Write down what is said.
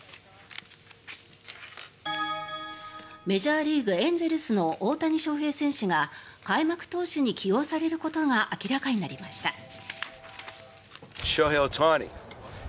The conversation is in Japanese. メジャーリーグ、エンゼルスの大谷翔平選手が開幕投手に起用されることが明らかになりました。